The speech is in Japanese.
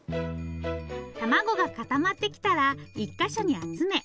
卵が固まってきたら１か所に集め